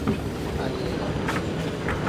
Alele.